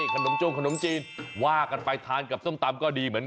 ขนมโจมจีนก็หลากกันไปทานกับส้มตำก็ดี